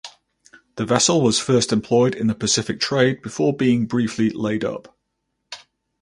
The vessel was first employed in the Pacific trade before being briefly laid up.